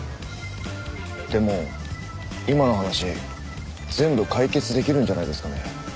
でも今の話全部解決できるんじゃないですかね？